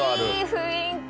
いい雰囲気！